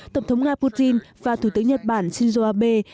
tổng thống nga putin và thủ tướng nhật bản shinzo abe